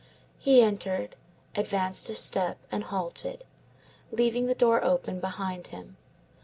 He entered, advanced a step, and halted, leaving the door open behind him.